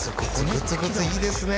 グツグツいいですね